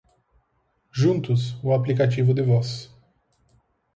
Juntos, o aplicativo de voz